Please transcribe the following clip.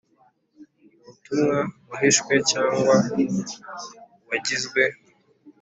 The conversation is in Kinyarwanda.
Ubutumwa wahishwe cyangwa wagizwe